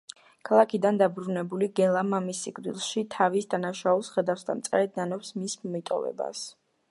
ქალაქიდან დაბრუნებული გელა მამის სიკვდილში თავის დანაშაულს ხედავს და მწარედ ნანობს მის მიტოვებას.